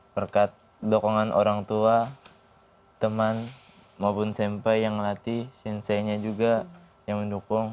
berkat dokongan orang tua teman maupun senpai yang ngelatih senseinya juga yang mendukung